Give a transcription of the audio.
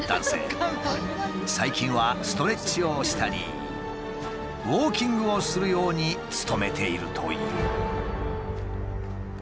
最近はストレッチをしたりウォーキングをするように努めているという。